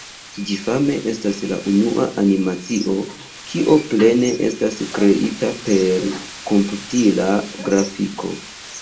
Ĝi fame estas la unua animacio, kio plene estas kreita per komputila grafiko.